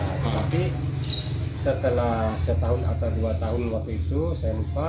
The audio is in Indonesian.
tapi setelah setahun atau dua tahun waktu itu saya lupa